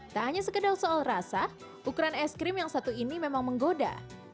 tak hanya sekedar soal rasa ukuran es krim yang satu ini memang menggoda